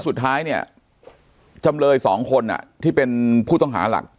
สุดท้ายจำเลยสองคนที่เป็นผู้ต้องหารัก